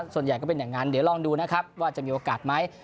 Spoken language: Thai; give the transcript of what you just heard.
ส่วนใหญ่ก็เป็นอย่างนั้นเดี๋ยวลองดูนะครับว่าจะมีโอกาสไหม